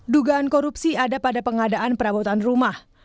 dugaan korupsi ada pada pengadaan perabotan rumah